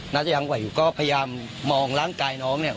น่าจะยังไหวอยู่ก็พยายามมองร่างกายน้องเนี่ย